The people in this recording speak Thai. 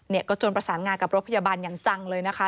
เนี่ยก็ชนประสานงากับรถพยาบาลอย่างจังเลยนะคะ